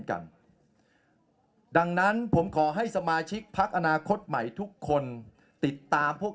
กันดังนั้นผมขอให้สมาชิกพักอนาคตใหม่ทุกคนติดตามพวก